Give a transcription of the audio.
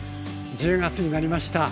１０月になりました。